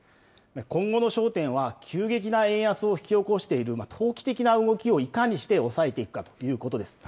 今後の焦点は、急激な円安を引き起こしている投機的な動きをいかにして抑えていくかということです。